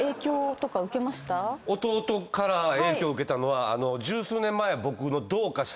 弟から影響受けたのは十数年前。